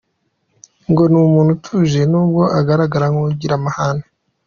Ngo ni umuntu utuje nubwo agaragara nk’ugira amahane.